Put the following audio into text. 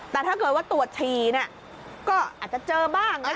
แต่ถ้าเกิดว่าตรวจฉี่ก็อาจจะเจอบ้าง